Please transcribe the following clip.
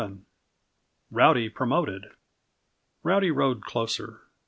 Rowdy Promoted. Rowdy rode closer.